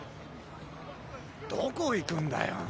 どこいくんだよ。